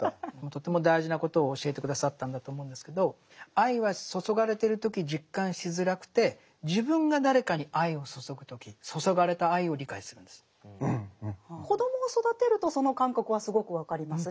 とても大事なことを教えて下さったんだと思うんですけど愛は注がれてる時実感しづらくて自分が子供を育てるとその感覚はすごく分かります。